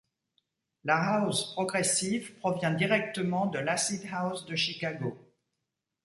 La house progressive provient directement de l'acid house de Chicago.